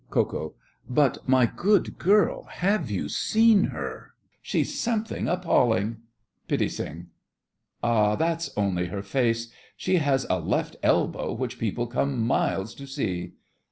KO. But, my good girl, have you seen her? She's something appalling! PITTI. Ah! that's only her face. She has a left elbow which people come miles to see!